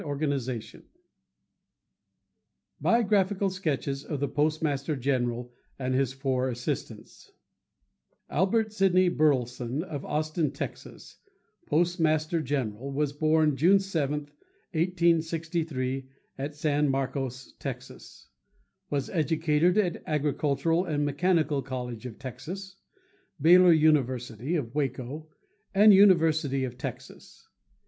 Postmaster General Burleson Biographical Sketches of the Postmaster General and His Four Assistants Albert Sidney Burleson, of Austin, Tex., Postmaster General, was born June 7, 1863, at San Marcos, Tex.; was educated at Agricultural and Mechanical College of Texas, Baylor University (of Waco), and University of Texas.